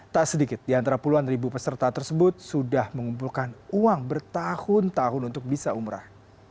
tak sedikit di antara puluhan ribu peserta tersebut sudah mengumpulkan uang bertahun tahun untuk bisa umrah